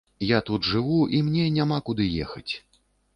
Я тут жыву і мне няма куды ехаць.